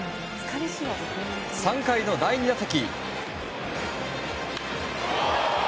３回の第２打席。